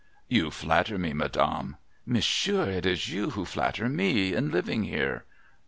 ' You flatter me, madame.' ' Monsieur, it is you who flatter me in living here.'